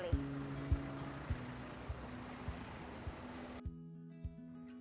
pilihan yang paling mudah adalah satu jam saja